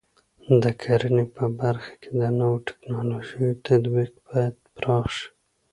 د کرنې په برخه کې د نوو ټکنالوژیو تطبیق باید پراخ شي.